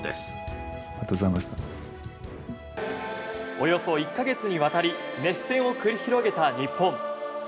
およそ１か月にわたり熱戦を繰り広げた日本。